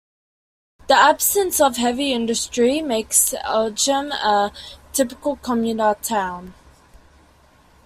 The absence of heavy industry makes Edegem a typical commuter town.